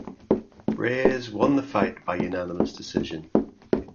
Reyes won the fight by unanimous decision.